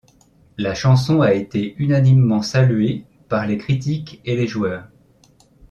La chanson a été unanimement saluée par les critiques et les joueurs.